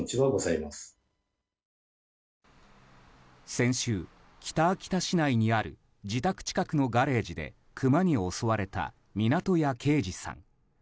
先週、北秋田市内にある自宅近くのガレージでクマに襲われた湊屋啓二さん。